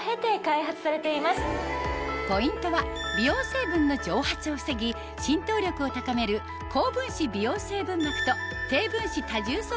ポイントは美容成分の蒸発を防ぎ浸透力を高める高分子美容成分膜と低分子多重層